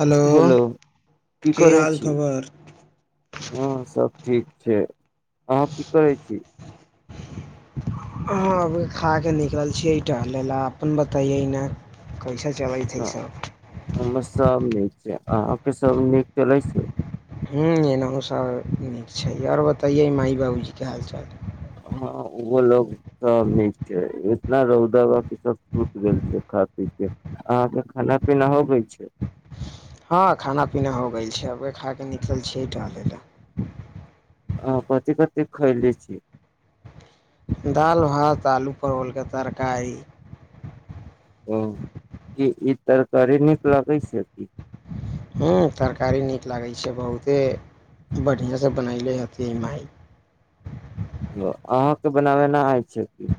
Hello की करै हाल छी खबर हँ सब ठीक छै अहाँ की करै छी। ह अभी खा के निकलल छीेयै टहले ला अपन बतैयै न कैसा ह अइ में सब नीक से अहाँके सब नीक चलै छै हूँ एनाहु सब नीक छै आओर बतैयै माइ बाबूजी के हाल चाल। ह ओहो लोग सब नीक छै इतना रौदा ब सब छूट गेल छै खा पीे अहाँके खाना पीना हो गेल छै। हँ खाना पीना हो गेल छै अबे खा कऽ निकलल छियै टहलय ले आ कथी कथी खोलै छी। दालि, भात, आलू परवलके तरकारी। ओ कि ई तरकारी निकल छै की। ह तरकारी नीक लागै छै बहुते बढ़िआँसँ बनयले हथिन मइ अहाँके बनाबेना आइ छै की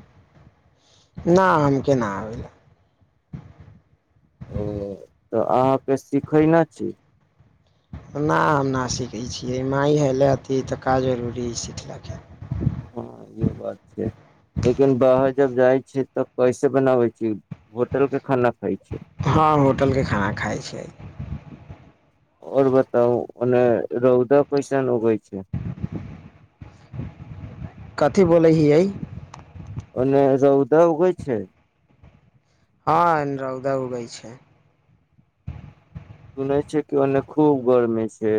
न हम के न आबै य ओ तऽ अहाँके सिखयने छी नहि हम नहि सीखै छियै माय हेलए अती तऽका जरूरी सिखलक। हँ इहो बात छै लेकिन बाहर जब जाइ छी तब कैसे बनाबै छी होटल के खाना खाइ छी हँ होटलके खाना खाइ छियै आओर बताउ रौदा कैसन उगै छै। कथी बोलै हियै। ओने रौदा उगय छै। हँऽ रौदा उगै छै सुनै छै कि ओन्ने खूब गर्मी छै।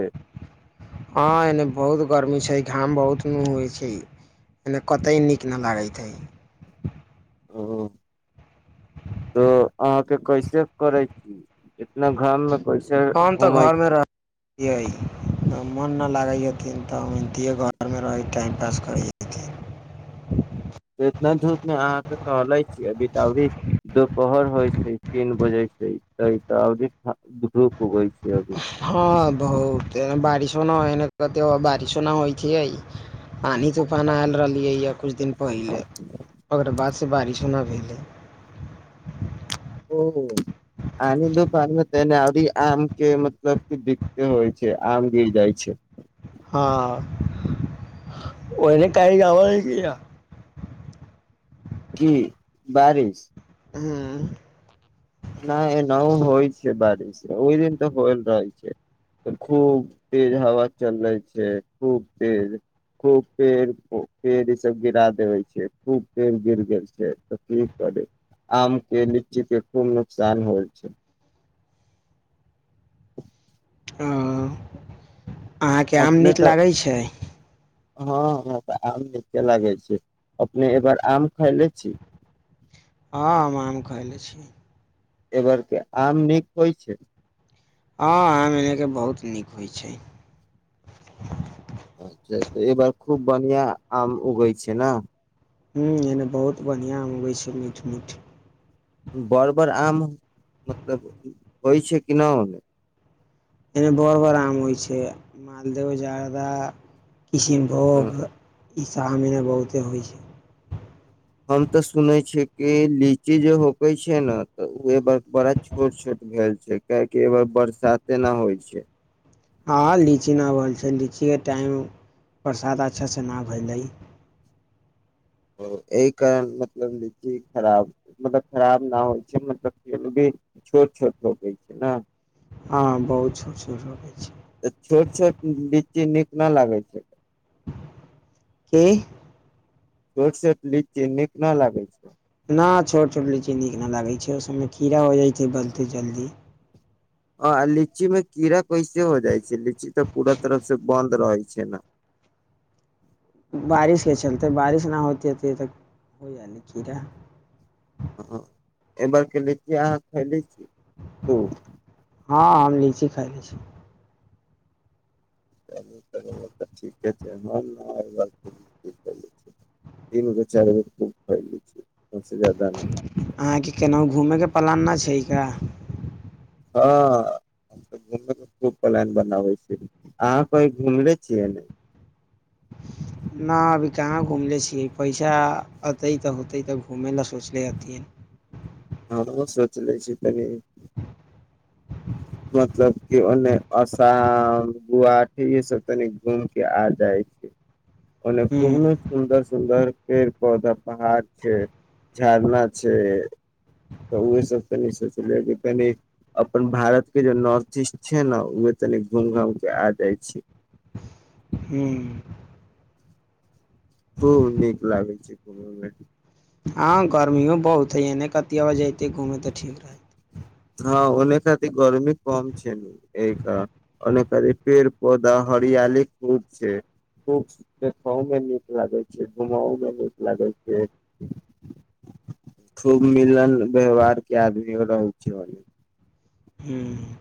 हँ एन बहुत गर्मी छै घाम बहुत न होइ छै एनऽ कतहु नीक नहि लागैत हइ ओ तऽ अहाँके कैसे करै छी इतना घाममे कैसे घुमै छी त मोन नहि लागैय तखैन तऽ ओहिनतिए घरमे रहै टाइम पास करै छी टहले छी अभी तऽ अी दुपहर होइ छै तीन बजे छै त तऽ अ धूप उगै छै अभी हँ घोऽ केहेन बारिशो न त बारिशो न होइ छै पानी तूफान आयल रहलीयै य किछु दिन पहिले ओकर बाद बारिशो नहि भेलै ओ आ दो पान तना अी आम के मतलब कि बिकते होइ छै आम गिर जाइ छै हँ ओहिने कइ गब ल ग की बारिश हँ [inaudible] नहि एना होइ छै बारिश ओहि दिन तऽ होयल रहै छै त खूब तेज हवा चलै छै खूब तेज खूब पेड़ पेड़ ई सब गिरा देबे छै खूब पेड़ गिर गेल छै तऽ की करे आम के लीची के खुब नुकसान होइ छै हँऽ अहाँके आम अपने नीक तऽ लागै छै हँ तऽ आम ने लागे छै अपने ए बार आम खैले छी हँ हम आम खलै प छ ए बेर क आम नीक होइ छै हँऽ आम एन कऽ बहुत नीक होइ छै अच्छा तऽ एहि बार खूब बढ़िआँ आम उगै छै न हु एने बहुत बढ़िआँ अबै छै मीठ मीठ बरबर आम मतलब होइ छै कि नहि होै एमे बर बर आम होइ छै मालदह जर्दा किशिनभोग [unintelligible] [unintelligible] [unintelligible] [unintelligible] तऽ छोट छोट [unintelligible] [unintelligible] कि [unintelligible] [unintelligible] [unintelligible] [unintelligible] [unintelligible] [unintelligible] [unintelligible] [unintelligible] नहि [unintelligible] [unintelligible] हँ हम तऽ घूमैके खूब प्लान बनाबै छी अहाँ कहीं घूमने छियै न ना अभी कहाँ घूमले छियै पैसा अतै तऽ होतै तऽ घूमै लाए सोचले हथियै हमहूँ सौच लै छियै कनि मतलब की ओन्ने असाम गुवाटी ई सब तनि घूम के आ जाइ छी ओन्ने खूब न हूँ सुन्दर सुन्दर पेड़ पौधा पहाड़ छै झरना छै तऽ ओहे सब तनि सोचलियै कनि अपन भारत के जे नॉर्थ ईस्ट छै ने उहे तनि घूम घाम के आ जाइ छी हूँ खूब नीक लागै छै घूमैमे हँ गर्मियो बहुत हइ एने कतिय जेतै घूमेै तऽ ठीक रहतै हँ ओने खातिर गर्मी कम छै नू एक ओने खातिर पेड़ पौधा हरियाली खूब छै खूब देखहो मे नीक लागे छै घूमहो मे नीक लागे छै खूब मिलन व्यवहार के आदमी रहै छै चल हूँ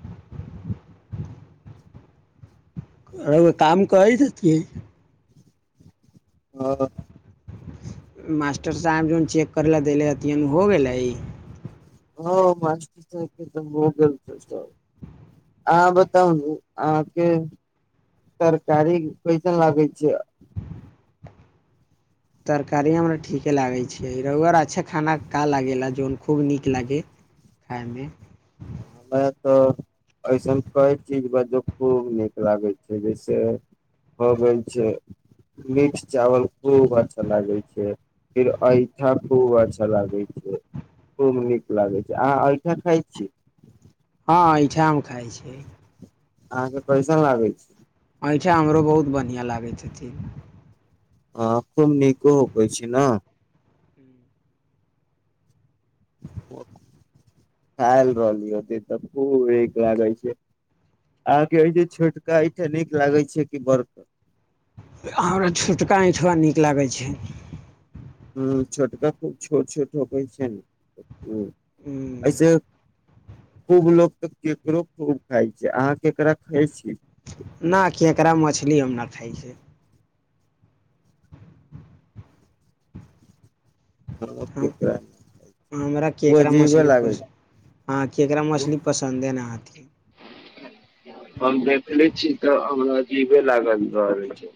हँ रौआ काम करै छथिन आ मास्टर साहेब जौन चेक करै लाए देलै हथिन हो गेलै हँ मास्टर साहब के तऽ भ गेल छै अहाँ बताउ अहाँके तरकारी कैसन लागे छै तरकारी हमरा ठीके लागै छै रौआ रा अच्छा खाना का ला गेला जौन खूब नीक लागै खाईमे हमरा तऽ ऐसन कै चीज बजू खूब नीक लागै छै जैसे हो गेल छै मीट चावल खूब अच्छा लागै छै फेर ऐंठा खूब अच्छा लागै छै खूब नीक लागै छै अहाँ ऐंठा खाइ छी हँ ऐंठा हम खाइ छियै अहाँके कैसन लागै छै ऐंठा हमरो बहुत बढ़िआँ लागै छथिन हँ खूब नीको होइ छै न खाइ रहली ओते तऽ खूब नीक लागै छै अहाँके एहिजें छोटका ऐंठा नीक लागै छै की बड़का हमरा छोटका ऐंठाबा नीक लागै छै हूँ छोटका खूब छोट छोट होवै छै न हूँ हूँ एहिसे खूब लोक तऽ केकरो खूब खाय छै अहाँ केकरा खाय छी न किय कर म छै ई हम नहि खाइ छै हम हमरा ओ केकरा अजीबे मछली लागै पस हँ केकरा छै मछली पसन्दे नहि आती आर हम नहि देखने छी तऽ हमरा जीबे लागल छै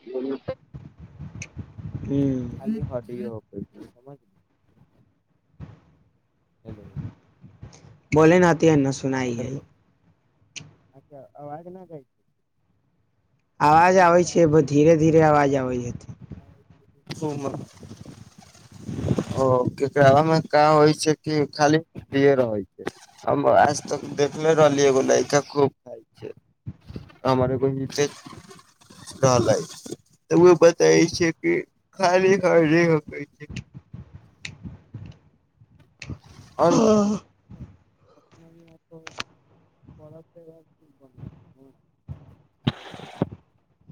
हूँ हनि बड़ यो समझ हेलो बोले न त ओते नहि सुनाइ हइ अच्छा अवाज नहि खइ छै आवाज बोलली आवै छै हम बहु धीरे -धीरे केकरा अवाज आवै हतै। ओ ककरामे क होइ छै कि खाली रहै छै हम आज तक देखले रहलियै एगो लड़का खूब खइ छै हमर एगो लइ त ओ बताय छै कि खाली हरै हकै छै आओर [unintelligible] [unintelligible]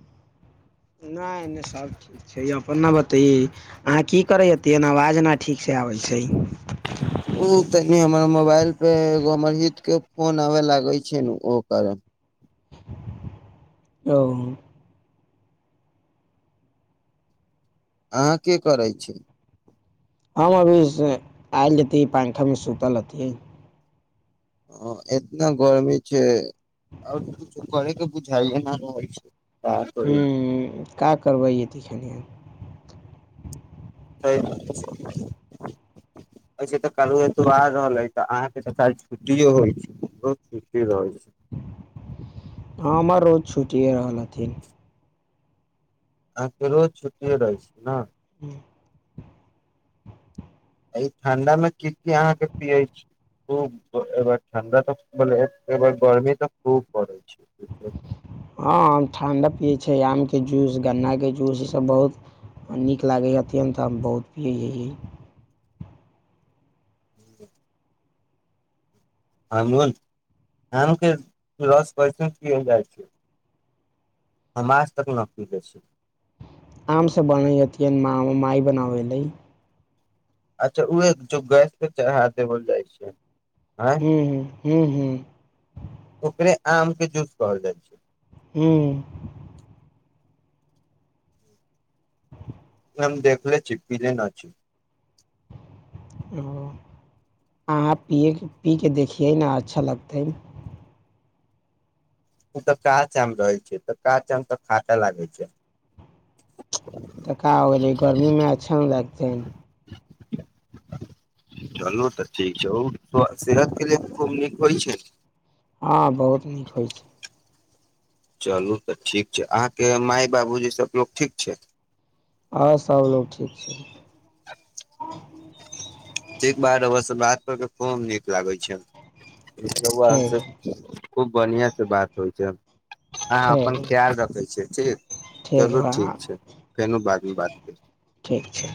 नहि नहि सभ ठीक छै अपने बतइये अहाँ की करैत छी ई आवाज ठीकसँ आबै छै ओ तनि हमर मोबाइल पर एगो हमर हितक फोन आबै लगै छै ने ओहि कारण ओ अहाँ की करै छी। हम अभी आयल हेथिन पंखामे सुतल हथिन ह एतना गर्मी छै आओर किछो करेके बुझाइए नहि रहल छै। का हु करी का करबैय तिखने से तऽ कल एत आर रहलै तऽ अहाँके तऽ काल छुट्टियो होइ छै बहुत छुट्टी रह छै हँ हम हर रोज छुटिए रहल हथिन रोज छुट्टिए रहै छै ने। हँ ई ठंडा मे की की अहाँक पीयै छी खूब ठंडा तऽ आ गर्मी तऽ खूब पड़ै छै। हँ ठण्डा पियै छै आमके जूस गन्नाके जूस ई सब बहुत नीक लागै अत्यन्त हम बहुत पियै छी ह हम आम के रस परस क जाइ छै हम आज तक न पिय छी आम सँ [unintelligible] माँ माई बनाबै लेलै अच्छा उहे जो गैस पर चढ़ा देबल जाइ छै। आँय हू ह हूँ हूँ ओकरे आम के जूस कहल जाय छै। ह्म्म। [inaudible] हम देखले छी, पिले ना छी। ओ अहाँ पियै के पी के देखियै ने अच्छा लगतै। उ ते काच आम रहै छै तऽ काच आम तऽ खाटे लागै छै। त का हो गेलै गर्मी मे अच्छा ने लागतै। चलू तऽ ठीक छै उ स सेहत के लिए खूब नीक होय छै। हाँ बहुत नीक होय छै। चलू तऽ ठीक छै, अहाँ के माय बाबूजी सब लोग ठीक छै। हाँ सब लोक ठीक छै। [inaudible] ठीक बा रौउआ से बात कर के खूब नीक लागे छै। रौउआ हम छै ठीक से खूब बढ़ियाँ से बात होय छै। अहाँ ठीक अपन ख्याल रखै छियै ठीक, चलू ठीक छै फेनो बाद मे बात करी। ठीक छै